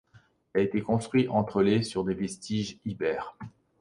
Il a été construit entre les sur des vestiges ibères.